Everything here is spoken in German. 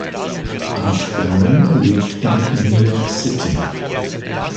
Art Baron lebt in New York City.